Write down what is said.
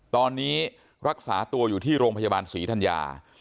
ตอนนี้รักษาตัวอยู่ที่โรงพยาบาลศรีธัญญา